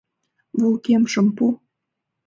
— Вулгемшым пу.